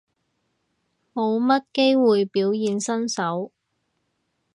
冇乜機會表演身手